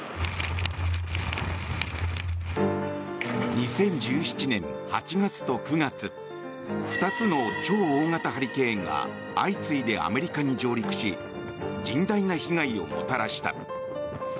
２０１７年８月と９月２つの超大型ハリケーンが相次いでアメリカに上陸し甚大な被害をもたらした。